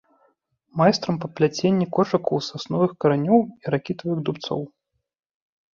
Майстрам па пляценні кошыкаў з сасновых каранёў і ракітавых дубцоў.